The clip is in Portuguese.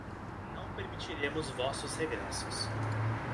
Não permitiremos vossos regressos